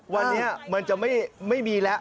วันนี้มันจะไม่มีแล้ว